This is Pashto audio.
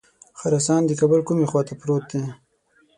خراسان د کابل کومې خواته پروت دی.